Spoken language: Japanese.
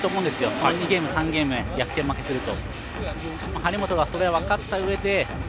第２ゲーム、第３ゲーム逆転負けすると。